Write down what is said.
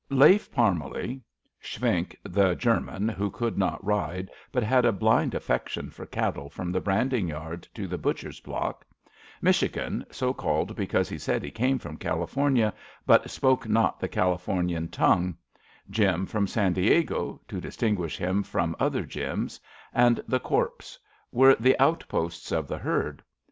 Lafe Parmalee; Shwink, the German who could not ride but had a blind affection for cattle from the branding yard to the butcher's block; Michi gan, so called because he said he came from Cali fornia but spoke not the Calif omian tongue; Jim from San Diego, to distinguish him from other Jims, and The Corpse, were the outposts of the herd.